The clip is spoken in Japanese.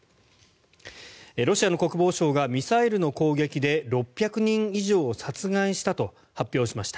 ロシアの国防省がミサイルの攻撃で６００人以上を殺害したと発表しました。